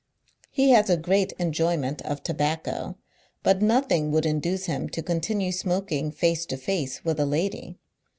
He has a great enjoyment of tobacco, but nothing would induce him to continue smoking face to face with a lady.